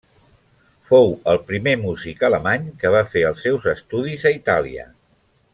Fou el primer músic alemany que va fer els seus estudis a Itàlia.